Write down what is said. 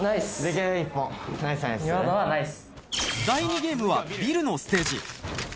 第２ゲームはビルのステージ